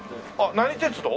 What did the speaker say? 何鉄道？